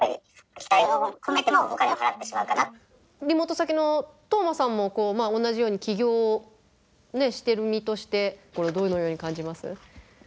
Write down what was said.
リモート先の透馬さんも同じように起業してる身としてこれどのように感じます？